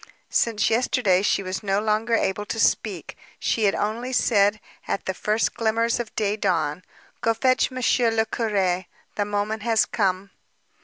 Since yesterday she was no longer able to speak. She had only said, at the first glimmers of day dawn: "Go fetch Monsieur le Curé, the moment has come."